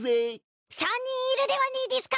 ３人いるではねいでぃすか！